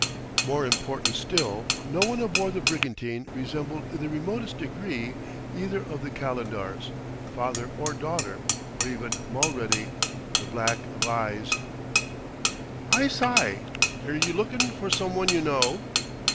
More important still, no one aboard the brigantine resembled in the remotest degree either of the Calendars, father or daughter, or even Mulready, the black avised. "I sye, 're you lookin' for some one you know?"